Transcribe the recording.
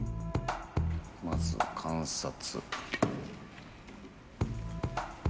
まずは観察。